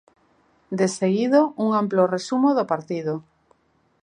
De seguido, un amplo resumo do partido